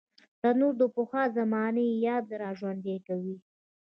تنور د پخوا زمانې یاد راژوندي کوي